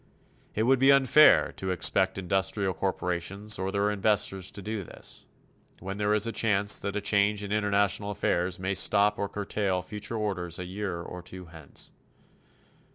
It would be unfair to expect industrial corporations or their investors to do this, when there is a chance that a change in international affairs may stop or curtail future orders a year or two hence.